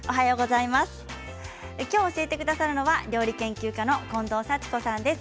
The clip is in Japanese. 今日教えてくださるのは料理研究家の近藤幸子さんです。